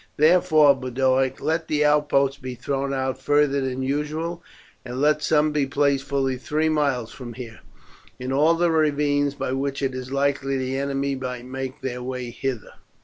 Therefore, Boduoc, let the outposts be thrown out farther than usual, and let some be placed fully three miles from here, in all the ravines by which it is likely the enemy might make their way hither."